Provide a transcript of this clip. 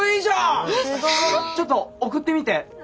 ちょっと送ってみて。